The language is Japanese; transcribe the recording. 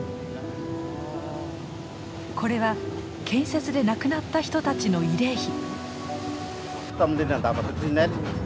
これは建設で亡くなった人たちの慰霊碑。